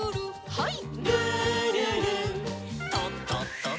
はい。